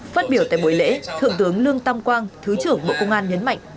phát biểu tại buổi lễ thượng tướng lương tam quang thứ trưởng bộ công an nhấn mạnh